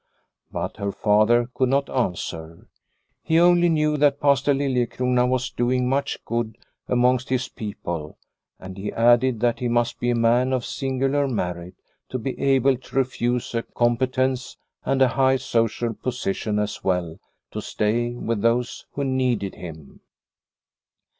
But her father could not answer. He only knew that Pastor Lilie crona was doing much good amongst his people, and he added that he must be a man of singular merit to be able to refuse a com petence, and a high social position as well, to stay with those who needed him.